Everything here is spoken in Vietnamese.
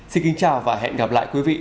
xin kính chào và hẹn gặp lại quý vị